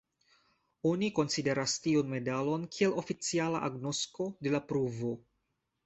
Oni konsideras tiun medalon kiel oficiala agnosko de la pruvo.